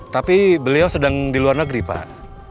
tapi beliau sedang di luar negeri pak